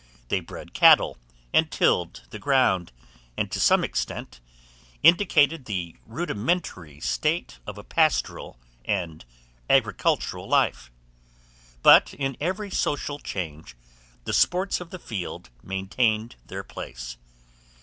They bred cattle and tilled the ground, and, to some extent, indicated the rudimentary state of a pastoral and agricultural life; but, in every social change, the sports of the field maintained their place.